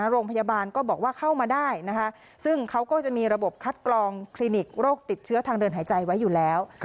โรงพยาบาลก็บอกว่าเข้ามาได้นะคะซึ่งเขาก็จะมีระบบคัดกรองคลินิกโรคติดเชื้อทางเดินหายใจไว้อยู่แล้ว